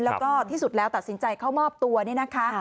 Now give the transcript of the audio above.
แล้วก็ที่สุดแล้วตัดสินใจเข้ามอบตัวเนี่ยนะคะ